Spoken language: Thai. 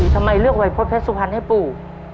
ทำไมเลือกวัยพฤษเพชรสุพรรณให้ปู่